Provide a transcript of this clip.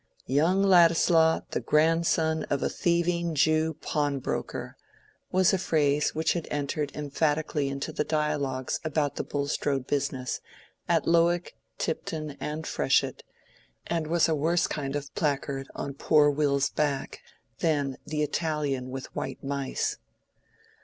"Young Ladislaw the grandson of a thieving Jew pawnbroker" was a phrase which had entered emphatically into the dialogues about the Bulstrode business, at Lowick, Tipton, and Freshitt, and was a worse kind of placard on poor Will's back than the "Italian with white mice."